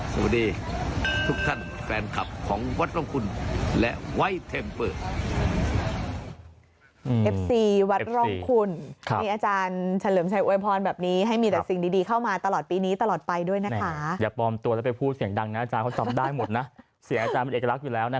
สวัสดีทุกท่านแฟนคลับของวัดร่องคุณและไว้เทมเปิด